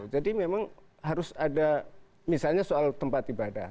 jadi memang harus ada misalnya soal tempat ibadah